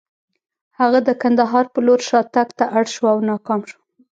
هغه د کندهار په لور شاتګ ته اړ شو او ناکام شو.